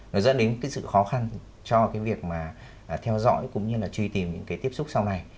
nó dẫn đến cái sự khó khăn cho cái việc mà theo dõi cũng như là truy tìm những cái tiếp xúc sau này